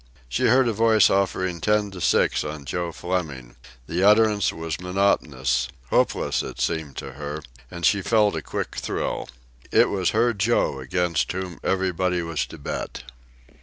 She heard a voice offering ten to six on Joe Fleming. The utterance was monotonous hopeless, it seemed to her, and she felt a quick thrill. It was her Joe against whom everybody was to bet.